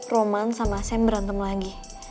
roman sama sam berantem lagi